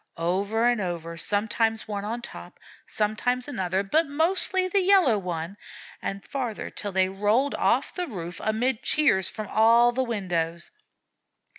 Over and over, sometimes one on top, sometimes another, but mostly the Yellow One; and farther till they rolled off the roof, amid cheers from all the windows.